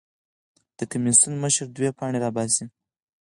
د کمېسیون مشر دوه پاڼې راباسي.